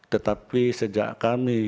tetapi sejak kami